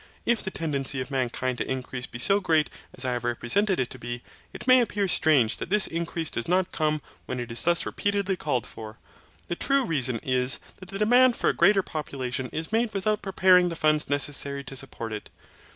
If the tendency of mankind to increase be so great as I have represented it to be, it may appear strange that this increase does not come when it is thus repeatedly called for. The true reason is that the demand for a greater population is made without preparing the funds necessary to support it.